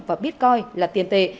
và bitcoin là tiền tệ